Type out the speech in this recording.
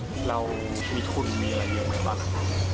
แล้วมีทุนมีหลายอย่างไหมบ้าง